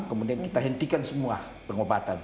kemudian kita hentikan semua pengobatan